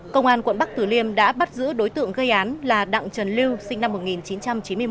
công an quận bắc tử liêm đã bắt giữ đối tượng gây án là đặng trần lưu sinh năm một nghìn chín trăm chín mươi một